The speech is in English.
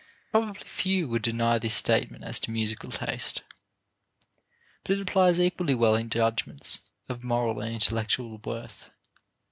Probably few would deny this statement as to musical taste. But it applies equally well in judgments of moral and intellectual worth.